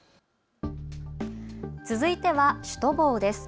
続いてはシュトボーです。